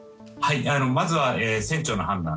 まずは、船長の判断。